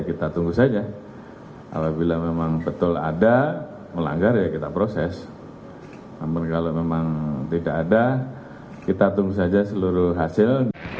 kita tunggu saja seluruh hasil